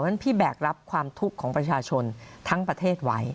ฉะพี่แบกรับความทุกข์ของประชาชนทั้งประเทศไว้